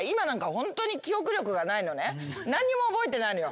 何にも覚えてないのよ。